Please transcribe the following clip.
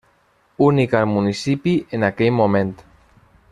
Única al municipi en aquell moment.